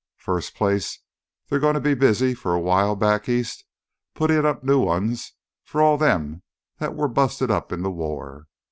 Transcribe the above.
"First place, they're gonna be busy for a while back east puttin' up new ones for all them what were busted up in th' war.